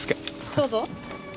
どうぞ。